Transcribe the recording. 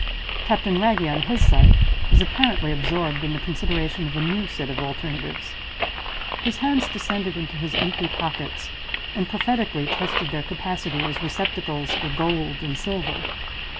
Captain Wragge, on his side, was apparently absorbed in the consideration of a new set of alternatives. His hands descended into his empty pockets, and prophetically tested their capacity as receptacles for gold and silver.